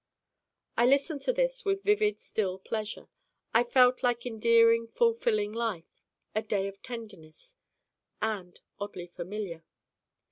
I listened to this with vivid still pleasure. It felt like endearing fulfilling life a day of tenderness . And oddly familiar.